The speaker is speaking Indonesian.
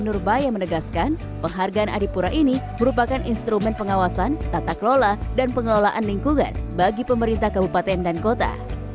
dan menteri urbaya menegaskan penghargaan adipura ini merupakan instrumen pengawasan tata kelola dan pengelolaan lingkungan bagi pemerintah kabupaten dan kota